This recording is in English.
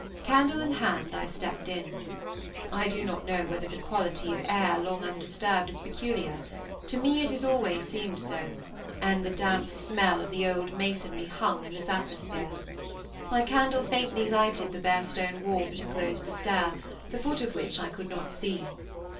Candle in hand I stepped in. I do not know whether the quality of air, long undisturbed, is peculiar; to me it has always seemed so, and the damp smell of the old masonry hung in this atmosphere. My candle faintly lighted the bare stone wall that enclosed the stair, the foot of which I could not see.